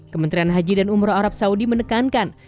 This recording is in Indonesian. kementerian haji dan umroh arab saudi menekankan